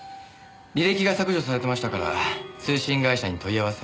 履歴が削除されてましたから通信会社に問い合わせましたら。